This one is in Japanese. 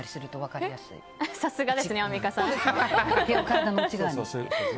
さすがですね、アンミカさん。